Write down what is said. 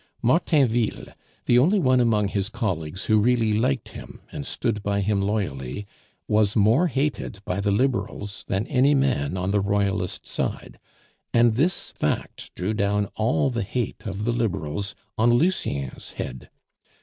Martainville, the only one among his colleagues who really liked him and stood by him loyally, was more hated by the Liberals than any man on the Royalist side, and this fact drew down all the hate of the Liberals on Lucien's head.